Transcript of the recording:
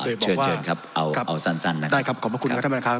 เชิญเชิญครับเอาเอาสั้นสั้นนะครับได้ครับขอบพระคุณครับท่านประธานครับ